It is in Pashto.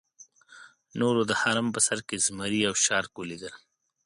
نورو د هرم په سر کې زمري او شارک ولیدل.